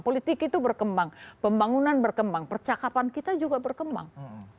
politik itu berkembang pembangunan berkembang percakapan kita juga berkembang